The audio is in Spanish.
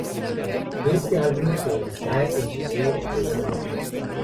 De este álbum, se extrae el video de "Una noche".